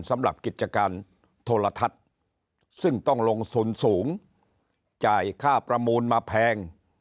สำหรับกิจการโทรทัศน์ซึ่งต้องลงทุนสูงจ่ายค่าประมูลมาแพง